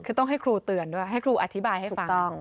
คือต้องให้ครูเตือนด้วยให้ครูอธิบายให้ฟัง